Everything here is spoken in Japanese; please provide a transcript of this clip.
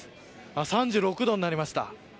３６度になりました。